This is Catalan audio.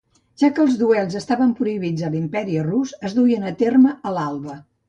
Ja que els duels estaven prohibits a l'Imperi rus, es duien a terme a l'alba.